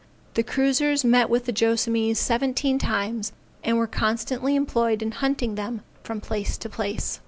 The cruisers met with the Joassamees seventeen times and were constantly employed in hunting them from place to place.